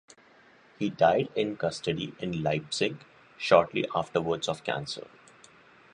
He died in custody in Leipzig shortly afterwards of cancer.